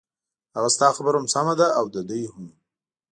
ههه ستا خبره هم سمه ده او د دوی هم.